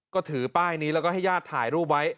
ก็ถือป้ายนี้แล้วก็ให้ญาติถ่ายรูปไว้